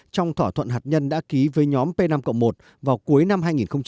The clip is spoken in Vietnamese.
trong thỏa thuận hạt nhân đã ký với nhóm p năm một vào cuối năm hai nghìn một mươi năm